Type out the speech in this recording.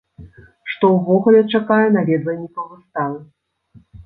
Што ўвогуле чакае наведвальнікаў выставы?